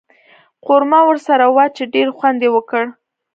قورمه ورسره وه چې ډېر خوند یې وکړ.